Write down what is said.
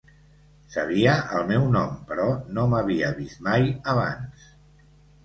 Sabia el meu nom, però no m'havia vist mai abans.